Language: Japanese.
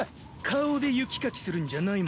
顔で雪かきするんじゃないもんな。